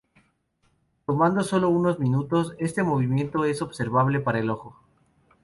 Tomando sólo unos pocos minutos, este movimiento es observable para el ojo.